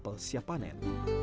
apel siap panen